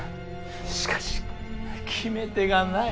しかし決め手がない。